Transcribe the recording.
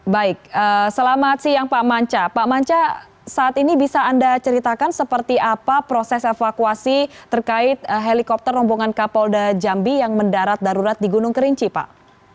baik selamat siang pak manca pak manca saat ini bisa anda ceritakan seperti apa proses evakuasi terkait helikopter rombongan kapolda jambi yang mendarat darurat di gunung kerinci pak